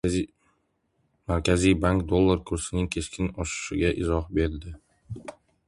Markaziy bank dollar kursining keskin oshishiga izoh berdi